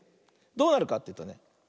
どうなるかっていうとね。